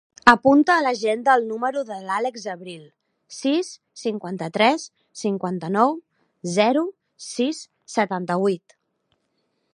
Apunta a l'agenda el número de l'Àlex Abril: sis, cinquanta-tres, cinquanta-nou, zero, sis, setanta-vuit.